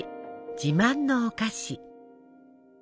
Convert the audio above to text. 自慢のお菓子。